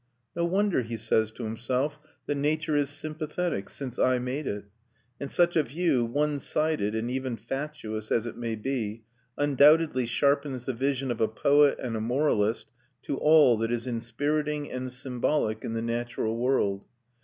No wonder, he says to himself, that nature is sympathetic, since I made it. And such a view, one sided and even fatuous as it may be, undoubtedly sharpens the vision of a poet and a moralist to all that is inspiriting and symbolic in the natural world.